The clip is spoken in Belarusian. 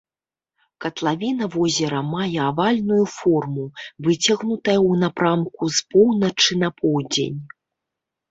Катлавіна возера мае авальную форму, выцягнутая ў напрамку з поўначы на поўдзень.